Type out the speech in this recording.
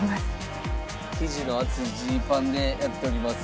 生地の厚いジーパンでやっております。